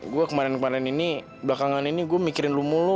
gua kemarin kemarin ini belakangan ini gua mikirin lu mulu